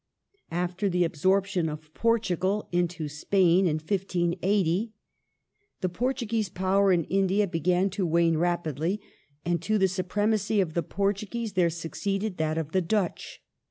After the absorption of Portugal into Spain (1580), the Portuguese power in India began to wane rapidly, and to the supremacy of the Portuguese there suc ceeded that of the Dutch.